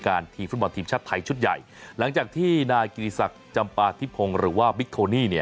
ก็คิดว่าเราจะได้ตัวตัวต่อใน๙สัปดาห์๑น